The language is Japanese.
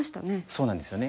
そうなんですよね。